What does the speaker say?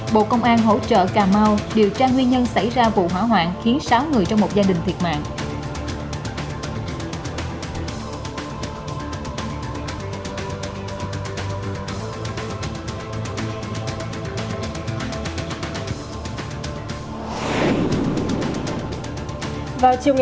bộ công an hỗ trợ cà mau điều tra nguyên nhân xảy ra vụ hỏa hoạn khiến sáu người trong một gia đình thiệt mạng